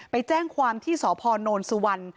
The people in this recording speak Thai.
ไปแจ้งความที่สพนสุวรรณ